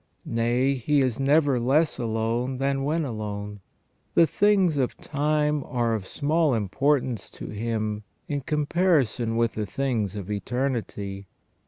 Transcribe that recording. Nay, he is never less alone than when alone. The things of time are of small importance to him in comparison with the things of eternity.